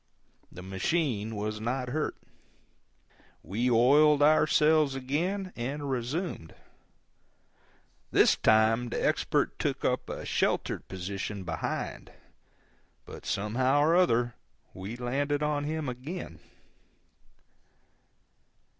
The machine was not hurt. We oiled ourselves up again, and resumed. This time the Expert took up a sheltered position behind, but somehow or other we landed on him again.